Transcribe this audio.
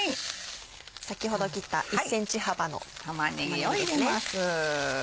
先ほど切った１ｃｍ幅の玉ねぎを入れます。